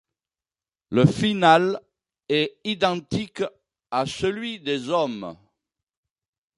Le final est identique à celui des hommes.